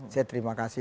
saya terima kasih